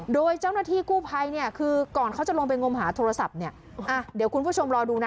โดยเจ้าหน้าที่กู้ภัยเนี่ยคือก่อนเขาจะลงไปงมหาโทรศัพท์เนี่ยอ่ะเดี๋ยวคุณผู้ชมรอดูนะ